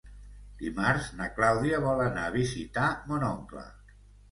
Dimarts na Clàudia vol anar a visitar mon oncle.